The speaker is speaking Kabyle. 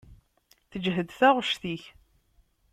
Teǧhed taɣect-ik.